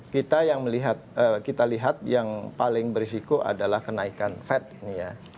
kita yang melihat kita lihat yang paling berisiko adalah kenaikan fed ini ya